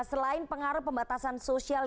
selain pengaruh pembatasan sosial